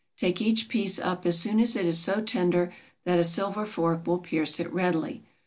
Take each piece up as soon as it is so tender that a silver fork will pierce it readily.